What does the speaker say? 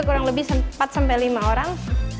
kurang lebih empat sampai lima orang